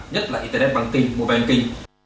nhất là internet bằng kinh mobile kinh